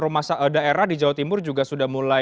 atau begini karena beberapa daerah di jawa timur juga sudah mulai